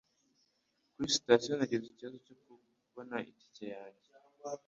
Kuri sitasiyo, nagize ikibazo cyo kubona itike yanjye.